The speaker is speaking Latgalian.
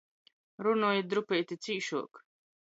Runojit drupeiti cīšuok!